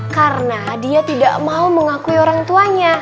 karena dia tidak mau mengakui orang tuanya